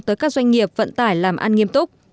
tới các doanh nghiệp vận tải làm ăn nghiêm túc